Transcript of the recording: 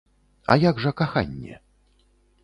А як жа каханне?